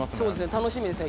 楽しみですね。